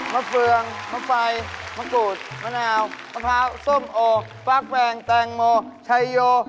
เฟืองมะไฟมะกรูดมะนาวมะพร้าวส้มโอฟักแบงแตงโมชัยโย